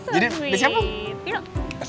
jadi udah siap neng